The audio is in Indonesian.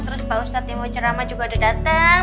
terus pak ustadz yang mau cerama juga udah dateng